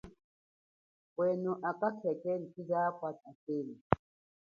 Pwenu akwa khekhe ngwe chize apwa tatenu.